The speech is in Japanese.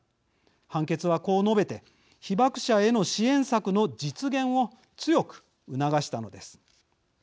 判決は、こう述べて被爆者への支援策の実現を強く促したのです。